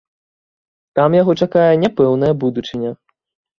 Там яго чакае няпэўная будучыня.